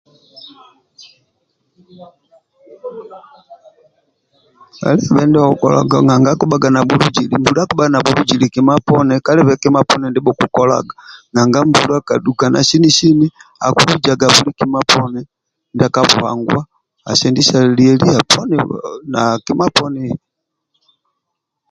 Menjo okukolaga nanga akibhaga nabhuluzili mbula akibhaga nabhuluzili kima poni kalibe kima poni ndia bhukukolga nanga mbula kadhukana sini sini akilujaga buli kima poni ndia kabuhanguwa asendisa lieli kima na kima kima poni poni